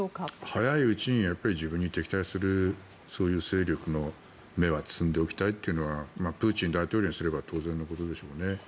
早いうちに自分に敵対するそういう勢力の芽はつんでおきたいっていうのはプーチン大統領にすれば当然のことでしょうね。